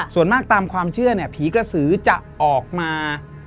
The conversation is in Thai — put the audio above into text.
ส่วนมากตามความเชื่อผีกระสือจะออกมาหาของกินมากกว่า